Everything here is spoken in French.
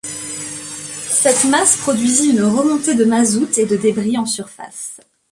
Cette passe produisit une remontée de mazout et de débris en surface.